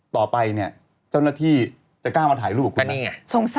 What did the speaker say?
ต่อไปเนี่ยเจ้าหน้าที่จะกล้ามาถ่ายรูปกับคุณ